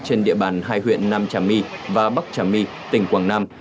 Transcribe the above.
trên địa bàn hai huyện nam trà my và bắc trà my tỉnh quảng nam